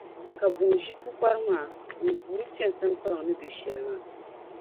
Ka buŋa ʒi pukpara maa, n-guuri chani Saŋkpaliŋ ni be shɛli maa.